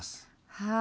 はい。